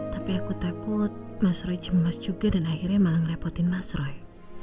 tapi aku takut mas roy cemas juga dan akhirnya malah ngerepotin mas roy